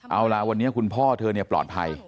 เอาล่ะวันนี้คุณพ่อเธอปลอดภัย